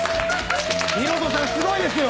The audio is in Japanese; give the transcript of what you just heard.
広翔さんすごいですよ！